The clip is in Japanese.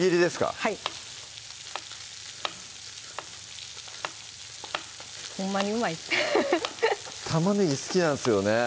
はいほんまにうまい玉ねぎ好きなんですよね